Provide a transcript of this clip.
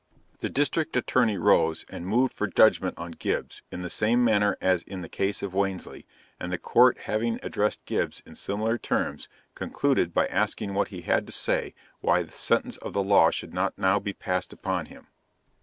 The District Attorney rose and moved for judgment on Gibbs, in the same manner as in the case of Wansley, and the Court having addressed Gibbs, in similar terms, concluded by asking what he had to say why the sentence of the law should not now be passed upon him.